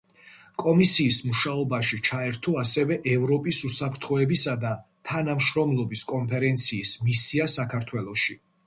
კომისიის მუშაობაში ჩაერთო ასევე ევროპის უსაფრთხოებისა და თანამშრომლობის კონფერენციის მისია საქართველოში.